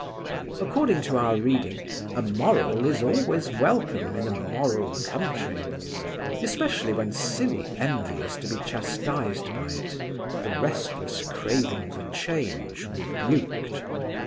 According to our reading, a moral is always welcome in a moral country, and especially so when silly envy is to be chastised by it, the restless craving for change rebuked.